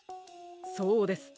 そうです。